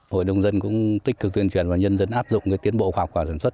hội đồng dân cũng tích cực tuyên truyền và nhân dân áp dụng cái tiến bộ khoa học và sản xuất